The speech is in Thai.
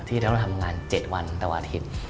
ที่เราต้องทำงาน๗วันต่ออาทิตย์